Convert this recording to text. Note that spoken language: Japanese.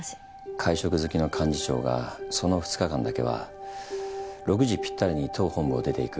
会食好きの幹事長がその２日間だけは６時ぴったりに党本部を出ていく。